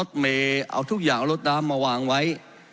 จะจับลงไว้